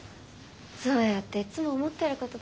そうやっていつも思ってること